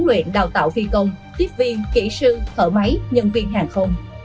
cơ sở vật chất huấn luyện đào tạo phi công tiếp viên kỹ sư thợ máy nhân viên hàng không